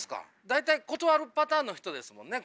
大体断るパターンの人ですもんね？